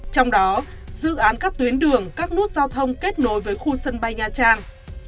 trong đó dự án các tuyến đường các nút giao thông kết nối với khu sân bay nha trang